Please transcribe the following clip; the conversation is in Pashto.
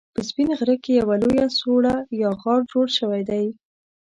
په سپين غره کې يوه لويه سوړه يا غار جوړ شوی دی